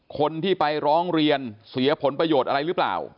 คนที่ไปร้องเรียนเสียผลประโยชน์อะไรหรือเปล่า